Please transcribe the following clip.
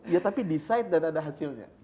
ya tapi desite dan ada hasilnya